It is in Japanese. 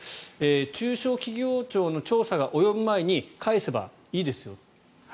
中小企業庁の調査が及ぶ前に返せばいいですよ。